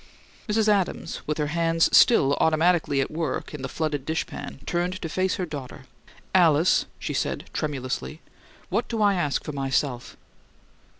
Mrs. Adams, with her hands still automatically at work in the flooded dishpan, turned to face her daughter. "Alice," she said, tremulously, "what do I ask for myself?"